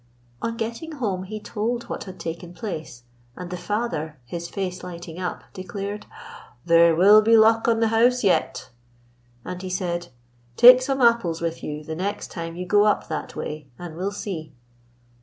On getting home he told what had taken place, and the father, his face lighting up, declared: 'There will be luck on the house yet.' And he said: 'Take some apples with you the next time you go up that way, an' we'll see.'